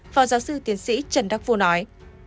phó giáo sư tiến sĩ trần đắc phu nói